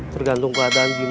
tergantung keadaan gimana